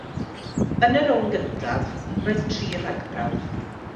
Yn y rownd gyntaf, roedd tri rhagbrawf.